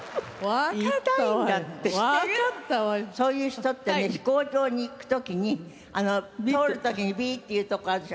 そういう人ってね飛行場に行く時に通る時にビーッていう所あるでしょ？